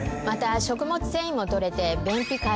また食物繊維も取れて。